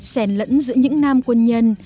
sèn lẫn giữa những nam quân nhân